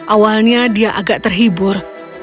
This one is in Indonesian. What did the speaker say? awalnya dia agak terhibur